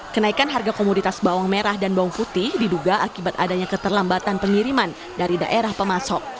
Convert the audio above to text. kenaikan harga komoditas bawang merah dan bawang putih diduga akibat adanya keterlambatan pengiriman dari daerah pemasok